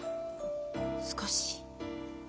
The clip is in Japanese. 少し。